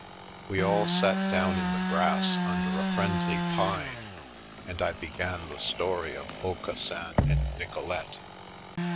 We all sat down in the grass under a friendly pine, and I began the story of Aucassin and Nicolete.